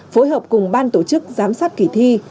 phối hợp cùng ban tổ chức giám sát kỳ thi